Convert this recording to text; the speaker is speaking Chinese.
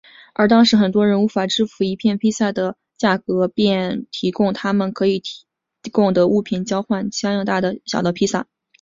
而当时很多人无法支付一片披萨的价格便提供他们可以提供的物品交换相应大小的披萨。